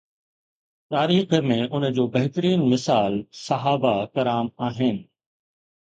تاريخ ۾ ان جو بهترين مثال صحابه ڪرام آهن.